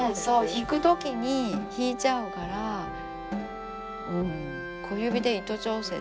引くときに引いちゃうから小指で糸調節。